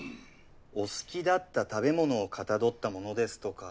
お好きだった食べ物をかたどった物ですとか。